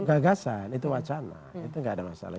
itu gagasan itu wacana itu gak ada masalah